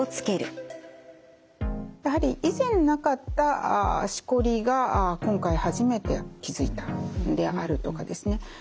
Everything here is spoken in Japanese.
やはり以前なかったしこりが今回初めて気づいたであるとかですね